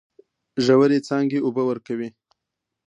ژورې څاګانې اوبه ورکوي.